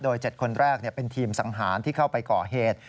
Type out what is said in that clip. ๗คนแรกเป็นทีมสังหารที่เข้าไปก่อเหตุ